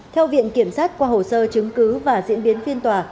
theo viện kiểm sát qua hồ sơ chứng cứ và diễn biến phiên tòa